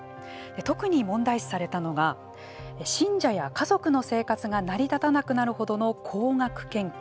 特に問題視されたのが信者や家族の生活が成り立たなくなるほどの高額献金。